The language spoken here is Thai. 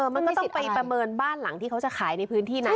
มันก็ต้องไปประเมินบ้านหลังที่เขาจะขายในพื้นที่นั้น